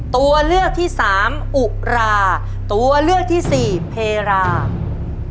ตัวเลือกที่สามอุราตัวเลือกที่สี่เพรา